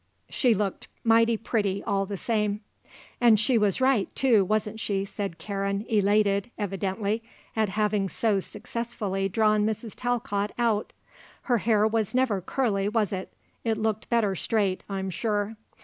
She looked mighty pretty all the same." "And she was right, too, wasn't she?" said Karen, elated, evidently, at having so successfully drawn Mrs. Talcott out. "Her hair was never curly, was it. It looked better straight, I'm sure."